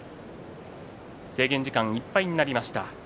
制限時間いっぱいになります。